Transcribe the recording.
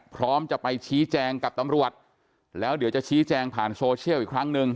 พร้อมจะไปชี้แจงกับตำรวจแล้วเดี๋ยวจะชี้แจงผ่านโซเชียลอีกครั้งหนึ่ง